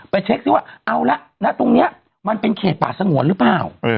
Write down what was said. ไปเช็กสิว่าเอาละตรงเนี่ยมันเป็นเขตป่าสงวนรึเปล่า